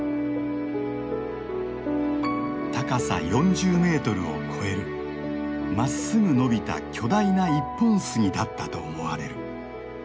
高さ４０メートルを超えるまっすぐ伸びた巨大な一本杉だったと思われる。